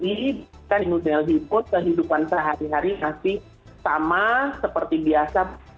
di nudelgi pun kehidupan sehari hari masih sama seperti biasa